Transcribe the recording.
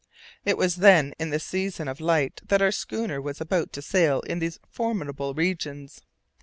It was then in the season of light that our schooner was about to sail in these formidable regions.